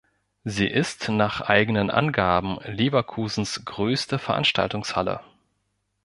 Sie ist nach eigenen Angaben Leverkusens größte Veranstaltungshalle.